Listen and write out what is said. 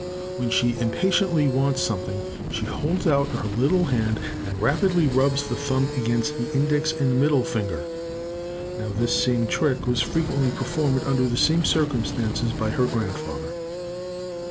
When she impatiently wants something, she holds out her little hand, and rapidly rubs the thumb against the index and middle finger: now this same trick was frequently performed under the same circumstances by her grandfather.